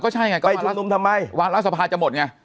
ไปชุมนุมทำไมวารสภาทจะหมดไง